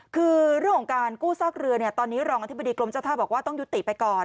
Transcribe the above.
คือเรื่องของการกู้ซากเรือเนี่ยตอนนี้รองอธิบดีกรมเจ้าท่าบอกว่าต้องยุติไปก่อน